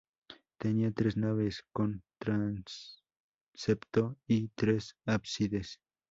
Tenía tres naves con transepto y tres ábsides.